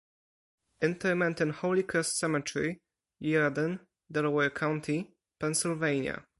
Interment in Holy Cross Cemetery, Yeadon, Delaware County, Pennsylvania.